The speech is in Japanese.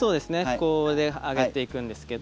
こうで上げていくんですけど。